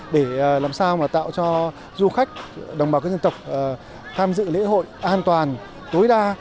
để làm sao mà tạo cho du khách đồng bào các dân tộc tham dự lễ hội an toàn tối đa